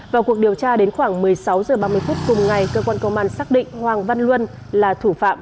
vào cuộc điều tra đến khoảng một mươi sáu h ba mươi phút cùng ngày cơ quan công an xác định hoàng văn luân là thủ phạm